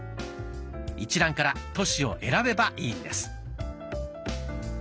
一覧から都市を選べばいいんです。